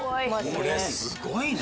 これすごいな。